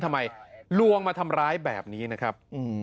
ลวงมาทำร้ายแบบนี้นะครับ